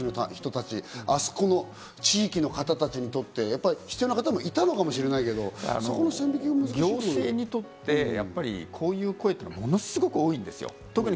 あそこの地域の方たちにとって、必要な方もいたのかもしれないけど、行政にとってこういう声ってものすごく多いんです。